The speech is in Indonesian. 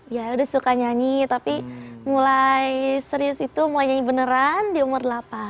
ya udah suka nyanyi tapi mulai serius itu mulai nyanyi beneran di umur delapan